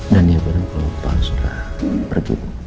dan yang benar kalau pak al sudah pergi bu